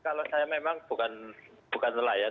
kalau saya memang bukan nelayan